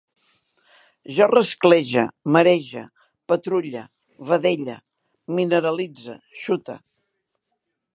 Jo rasclege, marege, patrulle, vedelle, mineralitze, xute